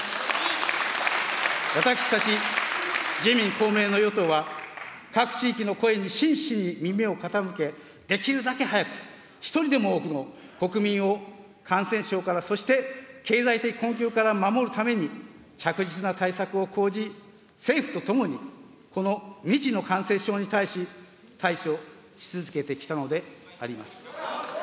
私たち自民、公明の与党は、各地域の声に真摯に耳を傾け、できるだけ早く、一人でも多くの国民を感染症から、そして経済的困窮から守るために、着実な対策を講じ、政府とともにこの未知の感染症に対し、対処し続けてきたのであります。